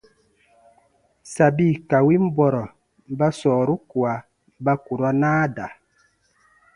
Sabi ka win bɔrɔ ba sɔɔru kua ba kurɔ naa da.